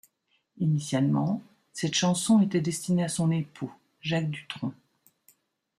Initialement, cette chanson était destinée à son époux, Jacques Dutronc.